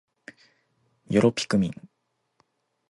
よろぴくみん